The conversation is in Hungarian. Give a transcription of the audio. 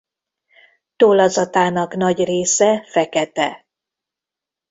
Tollazatának nagy része fekete.